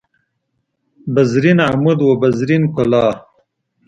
بزرین عمود و بزرین کلاه